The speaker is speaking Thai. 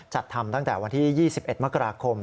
จัดทำตั้งแต่วันที่๒๑มกราคม